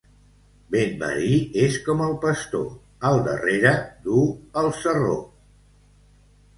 Vent marí és com el pastor: al darrere duu el sarró.